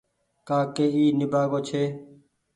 ڪآ ڪي اي نيبآگو ڇي